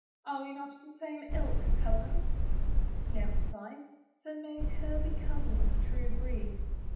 " Are we not of the same ilk, cousin f " he emphasized. " So may a cur be cousin to true breed."